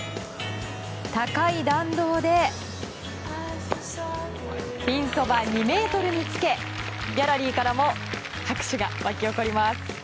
高い弾道でピンそば２ｍにつけギャラリーからも拍手が沸き起こります。